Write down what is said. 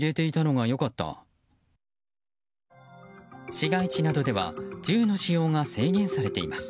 市街地などでは銃の使用が制限されています。